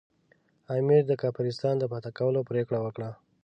امیر د کافرستان د فتح کولو پرېکړه وکړه.